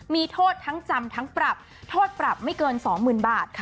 มีโทษทั้งจำทั้งปรับโทษปรับไม่เกิน๒๐๐๐บาท